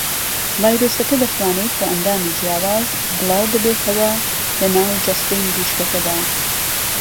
ڤایرۆسەکە دەتوانێت بۆ ئەندامی جیاواز بڵاوببێتەوە لە ناو جەستەی مریشکەکەدا.